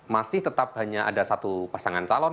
masih tetap hanya ada satu pasangan calon